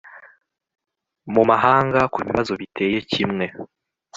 mu mahanga ku bibazo biteye kimwe